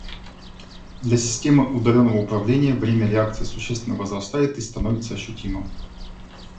Для системы удаленного управления время реакции существенно возрастает и становится ощутимым